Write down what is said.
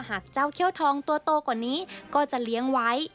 หากเจ้าเขี้ยวทองตัวโตกว่านี้ก็จะเลี้ยงไว้